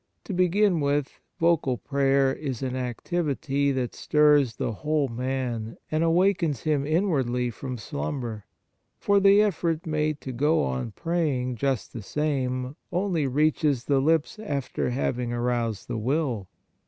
To begin with, vocal prayer is an activity that stirs the whole man and awakens him inwardly from slumber, for the effort made to go on praying just the same only reaches the lips after having aroused the will.